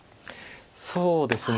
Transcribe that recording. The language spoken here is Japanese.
そうですね。